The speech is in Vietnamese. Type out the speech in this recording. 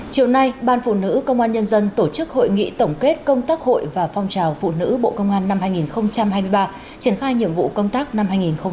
chiều nay ban phụ nữ công an nhân dân tổ chức hội nghị tổng kết công tác hội và phong trào phụ nữ bộ công an năm hai nghìn hai mươi ba triển khai nhiệm vụ công tác năm hai nghìn hai mươi bốn